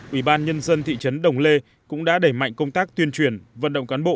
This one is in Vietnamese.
ủy ban nhân dân thị trấn đồng lê cũng đã đẩy mạnh công tác tuyên truyền vận động cán bộ